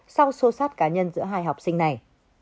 sau sô sát cá nhân giữa hai học sinh này